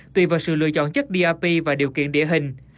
tùy vào sự lựa chọn chất dap và điều kiện địa hình